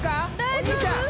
お兄ちゃん。